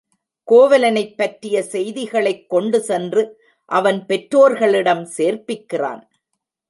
கோவலனைப் பற்றிய செய்திகளைக் கொண்டு சென்று அவன் பெற்றோர்களிடம் சேர்ப்பிக் கிறான்.